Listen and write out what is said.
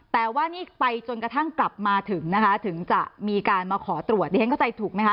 แต่ว่านี่ไปจนกระทั่งกลับมาถึงนะคะถึงจะมีการมาขอตรวจดิฉันเข้าใจถูกไหมคะ